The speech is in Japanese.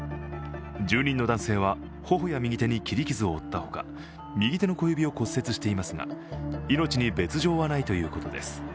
住人の男性は、頬や右手に切り傷を負ったほか、右手の小指を骨折していますが命に別状はないということです。